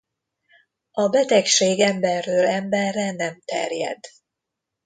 A betegség emberről emberre nem terjed.